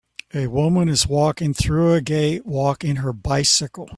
A woman is walking through a gate walking her bicycle